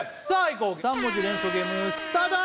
こう３文字連想ゲームスタート！